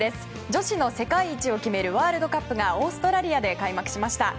女子の世界一を決めるワールドカップがオーストラリアで開幕しました。